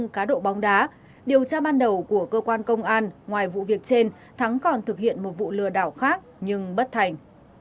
cá độ bóng đá điều tra ban đầu của cơ quan công an ngoài vụ việc trên thắng còn thực hiện một vụ lừa đảo khác nhưng bất thành